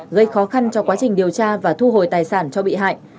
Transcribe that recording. gây khó khăn cho quá trình điều tra và thu hồi tài sản cho bị hại